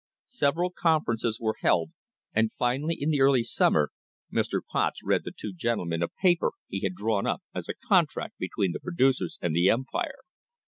Several conferences were held, and finally, in the early summer, Mr. Potts read the two gentlemen a paper he had drawn up as a contract between the producers and the Empire.